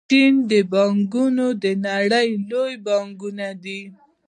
د چین بانکونه د نړۍ لوی بانکونه دي.